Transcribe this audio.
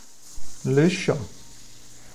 Le chat